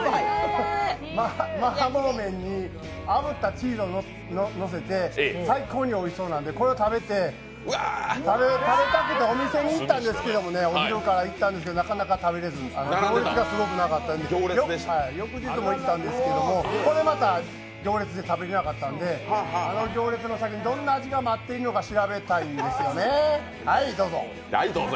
麻婆麺にあぶったチーズをのせて最高においしそうなんで、これを食べたくてお昼、お店に行ったんですけどね、なかなか食べれず、行列がすごく長かったので翌日も行ったんですけども、これまた行列で食べれなかったんで、あの行列の先にどんな味が待っているのか調べたいんですよね、はいどうぞ！